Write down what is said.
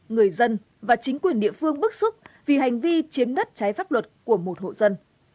người dân và chính quyền địa phương bức xúc vì hành vi chiếm đất trái pháp luật của một hộ dân